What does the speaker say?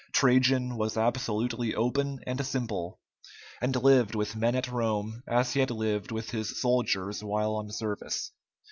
Trajan was absolutely open and simple, and lived with men at Rome as he had lived with his soldiers while on service.